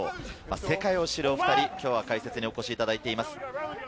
世界を知るお２人、今日は解説にお越しいただいています。